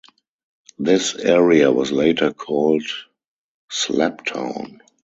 This area was later called Slabtown.